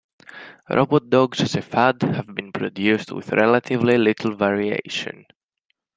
Robot dogs as a fad have been produced with relatively little variation.